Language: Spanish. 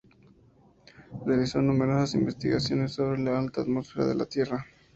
Realizó numerosas investigaciones sobre la alta atmósfera de la Tierra.